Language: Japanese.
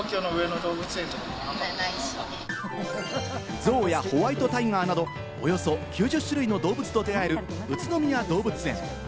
ゾウやホワイトタイガーなど、およそ９０種類の動物と出会える宇都宮動物園。